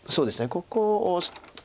ここを。